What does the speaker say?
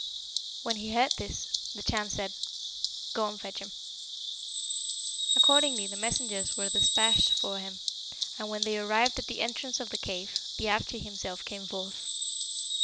"When he heard this, the Chan said, 'Go and fetch him.' "Accordingly the messengers were despatched for him, and when they arrived at the entrance of the cave, the Arschi himself came forth.